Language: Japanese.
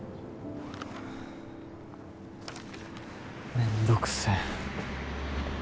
めんどくせえ。